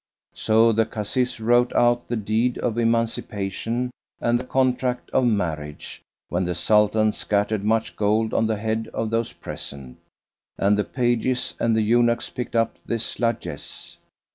So the Kazis wrote out the deed of emancipation and the contract of marriage, when the Sultan scattered much gold on the heads of those present; and the pages and the eunuchs picked up this largesse.